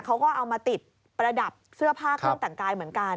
เขาก็เอามาติดประดับเสื้อผ้าเครื่องแต่งกายเหมือนกัน